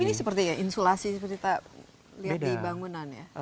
ini seperti ya insulasi seperti kita lihat di bangunan ya